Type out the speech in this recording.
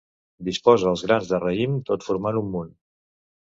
Disposa els grans de raïm tot formant un munt.